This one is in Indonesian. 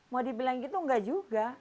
mau dibilang begitu tidak juga